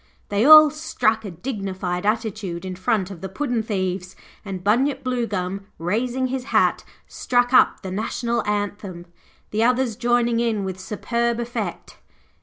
They all struck a dignified attitude in front of the puddin' thieves, and Bunyip Bluegum, raising his hat, struck up the National Anthem, the others joining in with superb effect.